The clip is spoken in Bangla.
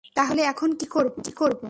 তাহলে এখন কি করব?